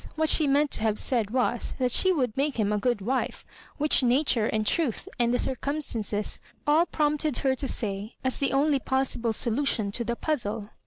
What she meant to have said was, that she would make him a good wife, which nature and truth and the cu cumstan ces all prompted her to aay — as the only possible solution to the puzzle.